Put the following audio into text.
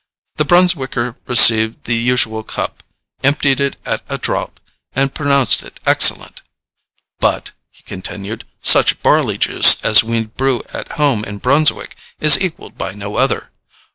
The Brunswicker received the usual cup, emptied it at a draught, and pronounced it excellent. "But," he continued, "such barley juice as we brew at home in Brunswick is equalled by no other.